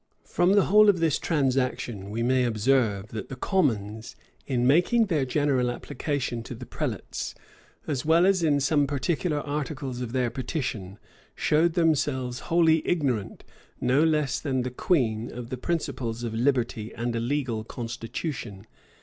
[*] From the whole of this transaction we may observe, that the commons, in making their general application to the prelates, as well as in some particular articles of their petition, showed themselves wholly ignorant, no less than the queen, of the principles of liberty and a legal constitution.